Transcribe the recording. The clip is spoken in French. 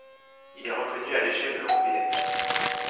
Il est reconnu à l'échelle européenne.